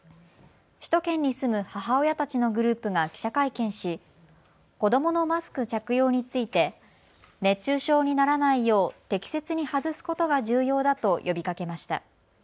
首都圏に住む母親たちのグループが記者会見し、子どものマスク着用について熱中症にならないよう適切に外すことが重要だと呼びかけました。